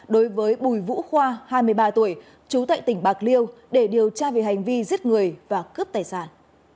đối với bùi vũ khoa hai mươi ba tuổi trú tại tỉnh bạc liêu để điều tra về hành vi giết người và cướp tài sản